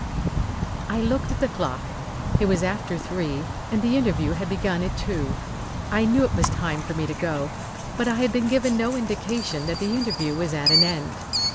I looked at the clock. It was after three and the interview had begun at two. I knew it was time for me to go, but I had been given no indication that the interview was at an end.